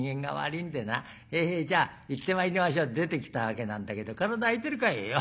『へえへえじゃあ行ってまいりましょう』って出てきたわけなんだけど体空いてるかい？」。